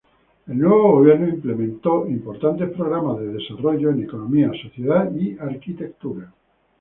El nuevo gobierno implementó importantes programas de desarrollo en economía, sociedad y arquitectura.